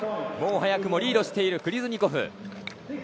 早くもリードしているクリズニコフ。